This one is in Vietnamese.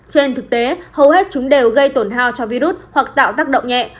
trên thực tế hầu hết chúng đều gây tổn hao cho virus hoặc tạo tác động nhẹ